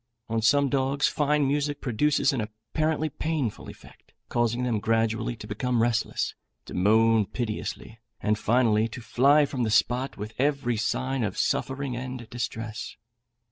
On some dogs fine music produces an apparently painful effect, causing them gradually to become restless, to moan piteously, and, finally, to fly from the spot with every sign of suffering and distress.